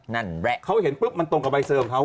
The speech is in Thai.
นั่นแหละเขาเห็นปุ๊บมันตรงกับใบเซอร์ของเขา